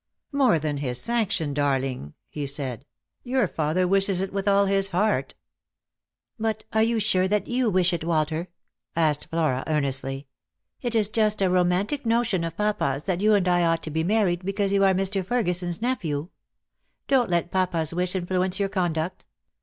"More than his sanction, darling," he said; "your father wishes it with all his heart." "But are you sure that you wish it, Walter?" asked Flora earnestly. " It is just a romantic notion of papa's that you and I ought to be married because you are Mr. Ferguson's nephew. Don't let papa's wish influence your conduct.